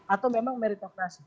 atau memang meritokrasi